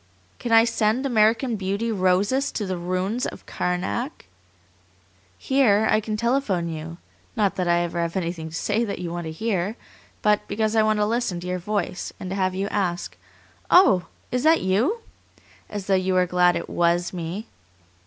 Can I send American Beauty roses to the ruins of Karnak? Here I can telephone you; not that I ever have anything to say that you want to hear, but because I want to listen to your voice, and to have you ask, 'Oh! is that YOU?' as though you were glad it WAS me.